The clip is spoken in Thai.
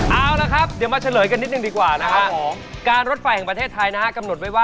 เอาละครับเดี๋ยวมาเฉลยกันนิดนึงดีกว่านะครับ